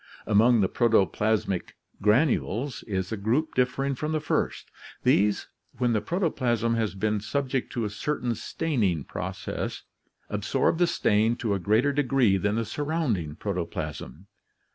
Among the protoplasmic granules is a group differing from the first. These, when the protoplasm has been subject to a certain staining process, absorb the stain to a greater degree than the surrounding protoplasm.